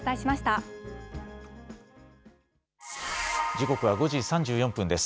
時刻は５時３４分です。